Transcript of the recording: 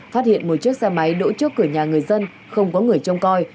phát hiện một chiếc xe máy đỗ trước cửa nhà người dân không có người trông coi